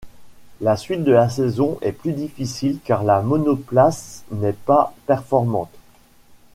La suite de la saison est plus difficile car la monoplace n'est pas performante.